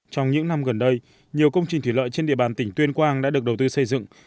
trong những năm gần đây nhiều công trình thủy lợi trên địa bàn tỉnh tuyên quang đã được đầu tư xây dựng